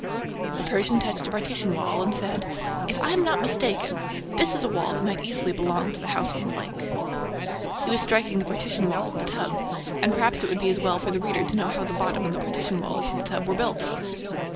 The Persian touched a partition wall and said: "If I am not mistaken, this is a wall that might easily belong to the house on the lake." He was striking a partition wall of the "tub," and perhaps it would be as well for the reader to know how the bottom and the partition walls of the tub were built.